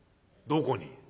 「どこに？」。